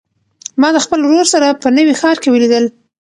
ما د خپل ورور سره په نوي ښار کې ولیدل.